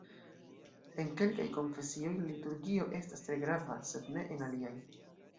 En kelkaj konfesioj, la liturgio estas tre grava, sed ne en aliaj.